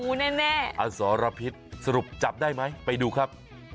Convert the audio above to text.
แน่อสรพิษสรุปจับได้ไหมไปดูครับ